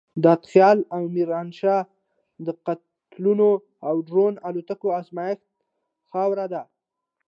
دته خېل او ميرانشاه د قتلونو او ډرون الوتکو ازمايښتي خاوره ده.